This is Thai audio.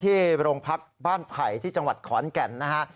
ที่โรงพักบ้านไผ่ที่จังหวัดขอนแก่นนะฮะ